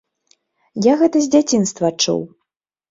Я гэта з дзяцінства чуў.